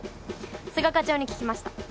須賀課長に聞きました。